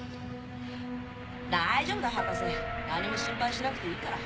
大丈夫だ博士何も心配しなくていいから。